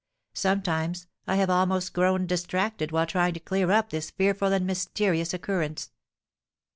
Sometimes I have almost grown distracted while trying to clear up this fearful and mysterious occurrence."